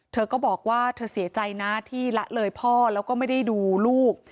เธอก็บอกว่าเธอเสียใจนะที่ละเลยพ่อแล้วก็ไม่ได้ดูลูก